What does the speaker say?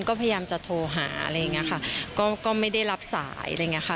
ก็พยายามจะโทรหาอะไรอย่างเงี้ยค่ะก็ไม่ได้รับสายอะไรอย่างเงี้ค่ะ